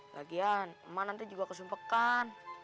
lagian emang nantinya juga kesumpekan